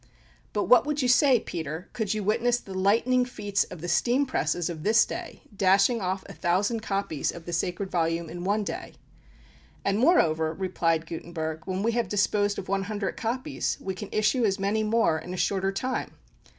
(But what would you say, Peter, could you witness the lightning feats of the steam presses of this day, dashing off a thousand copies of the sacred volume in one day?) "And moreover," replied Gutenberg, "when we have disposed of one hundred copies, we can issue as many more in a shorter time."